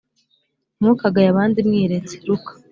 Ntimukagaye abandi mwiretse luka